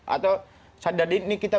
atau sadar ini kita